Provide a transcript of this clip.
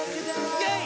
イェイ！